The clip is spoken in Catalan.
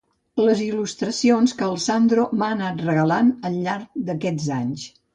Les il·lustracions que el Sandro m'ha anat regalant al llarg d'aquests anys...